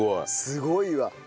すごいわ。